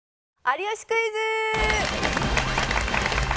『有吉クイズ』！